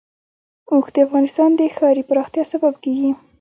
اوښ د افغانستان د ښاري پراختیا سبب کېږي.